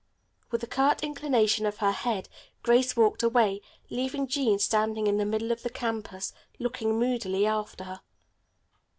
With a curt inclination of her head, Grace walked away, leaving Jean standing in the middle of the campus, looking moodily after her.